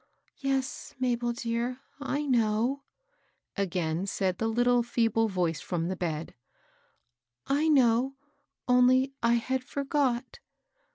" Yes, Mabel dear, I know," again said the Ut tle, feeble voice from the bed ;" I know, only I had forgot.